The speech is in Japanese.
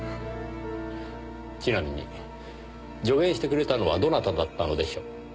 ちなみに助言してくれたのはどなただったのでしょう？